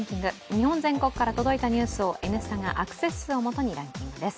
日本全国から届いたニュースを「Ｎスタ」がアクセス数をもとにランキングです。